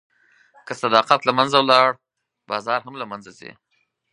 که صداقت له منځه لاړ، بازار هم له منځه ځي.